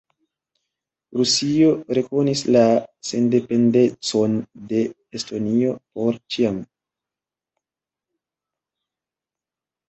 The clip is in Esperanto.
Rusio rekonis la sendependecon de Estonio "por ĉiam".